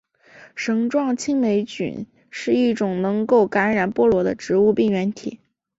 绳状青霉菌是一种能够感染菠萝的植物病原体。